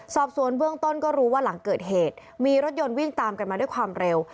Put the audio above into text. สอบสวนเบื้องต้นก็รู้ว่าหลังเกิดเหตุมีรถยนต์วิ่งตามกันมาด้วยความเร็ว